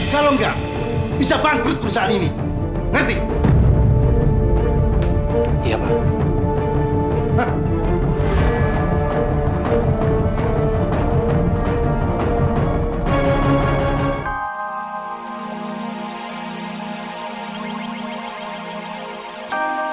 kalau nggak bisa bangkrut perusahaan ini